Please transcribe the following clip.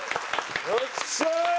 よっしゃー！